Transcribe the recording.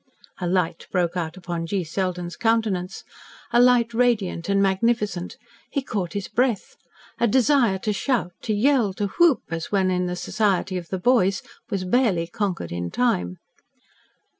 A light broke out upon G. Selden's countenance a light radiant and magnificent. He caught his breath. A desire to shout to yell to whoop, as when in the society of "the boys," was barely conquered in time.